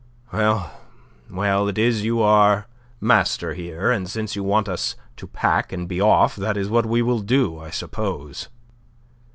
Well, well, it is you are master here; and since you want us to pack and be off, that is what we will do, I suppose."